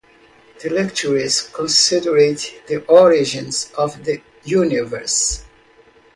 The lectures considered the origins of the universe.